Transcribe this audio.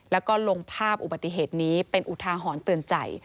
แล้วก็ลงภาพอุบัติเหตุนี้เป็นอุทาหรณ์เตือนใจ